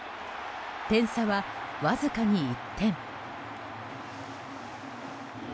点差はわずかに１点。